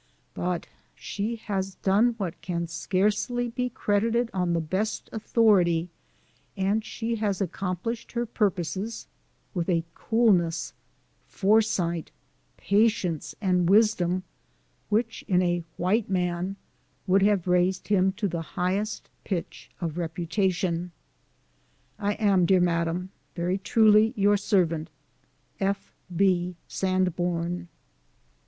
But she has done what can scarcely be credited on the best authority, and she has accomplished her purposes with a coolness, foresight, patience, and wisdom, which in a ichite man would have raised him to the highest pitch of reputation. I am, dear Madame, very truly your servant, F. B. SANBORN.